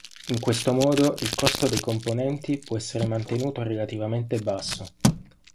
In questo modo il costo dei componenti può essere mantenuto relativamente basso.